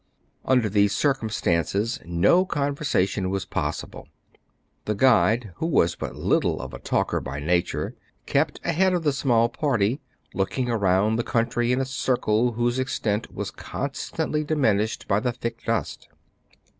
Under these circumstances no conversation was possible. The guide, who was but little of a talker by nature, kept ahead of the small party, looking around the country in a circle whose ex tent was constantly diminished by the thick dust.